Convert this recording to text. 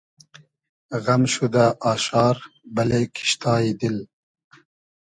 غئم شودۂ آشار بئلې کیشتای دیل